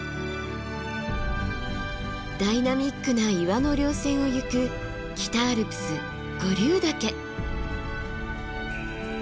ダイナミックな岩の稜線をゆく北アルプス五竜岳。